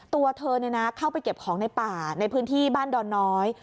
ตัวเธอเข้าไปเก็บของในป่าในพื้นที่บ้านดอนน้อย